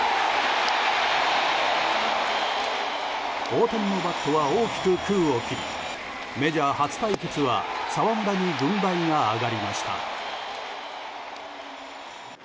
大谷のバットは大きく空を切りメジャー初対決は澤村に軍配が上がりました。